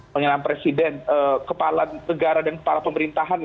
pengenalan presiden kepala negara dan kepala pemerintahan